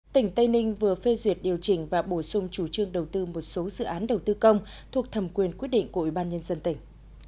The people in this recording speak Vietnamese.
tỉnh tây ninh vừa phê duyệt điều chỉnh và bổ sung chủ trương đầu tư một số dự án đầu tư công thuộc thẩm quyền quyết định của ủy ban nhân dân tỉnh